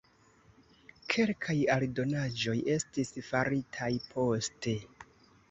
Kelkaj aldonaĵoj estis faritaj poste.